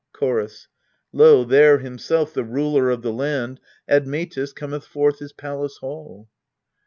Chorus. Lo, there himself, the ruler of the land, Admetus, cometh forth his palace hall.